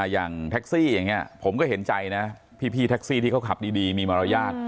อย่างแท็กซี่อย่างนี้ผมก็เห็นใจนะพี่แท็กซี่ที่เขาขับดีมีมารยาท